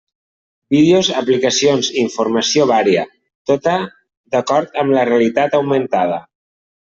Vídeos, aplicacions i informació vària, tota d'acord amb la realitat augmentada.